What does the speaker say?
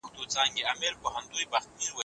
د چاپیریال په اړه ډېر کتابونه شته.